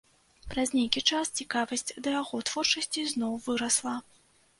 Праз нейкі час цікавасць да яго творчасці зноў вырасла.